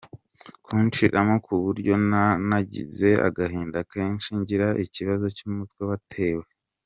kunshiramo kuburyo nanagize agahinda kenshi, ngira ikibazo cy’umutwe watewe.